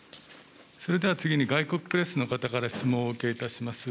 それでは次に外国プレスの方から質問をお受けいたします。